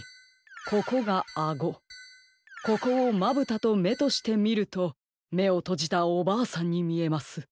ここがあごここをまぶたとめとしてみるとめをとじたおばあさんにみえます。